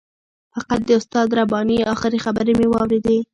فقط د استاد رباني آخري خبرې مې واورېدې.